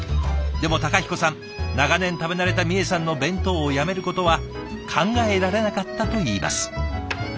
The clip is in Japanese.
でも孝彦さん長年食べ慣れたみえさんの弁当をやめることは考えられなかったと言います。